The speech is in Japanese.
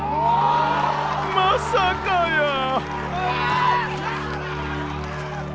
まさかやー。